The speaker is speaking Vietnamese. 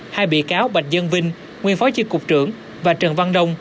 hai bị cáo bạch dân vinh nguyên phó chi cục trưởng và trần văn đông